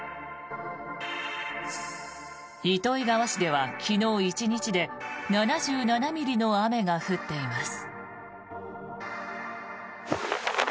糸魚川市では昨日１日で７７ミリの雨が降っています。